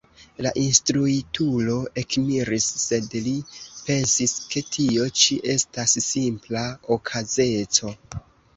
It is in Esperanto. La instruitulo ekmiris, sed li pensis, ke tio ĉi estas simpla okazeco.